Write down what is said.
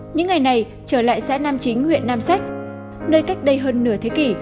những ngày này trở lại xã nam chính huyện nam sách nơi cách đây hơn nửa thế kỷ